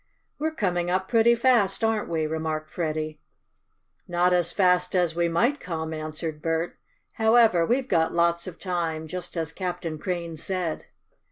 "We're coming up pretty fast, aren't we?" remarked Freddie. "Not as fast as we might come," answered Bert. "However, we've got lots of time, just as Captain Crane said."